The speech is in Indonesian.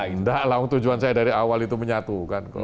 tidak laung tujuan saya dari awal itu menyatukan